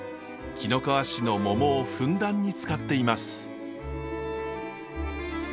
紀の川市の桃をふんだんに使っています。